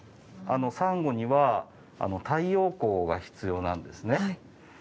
サンゴには太陽光が必要なんですね。